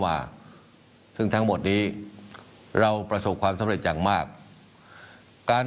มาซึ่งทั้งหมดนี้เราประสบความสำเร็จอย่างมากการ